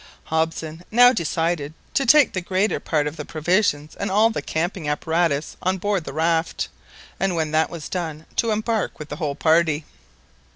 Hobson now decided to take the greater part of the provisions and all the camping apparatus on board the raft, and when that was done, to embark with the whole party.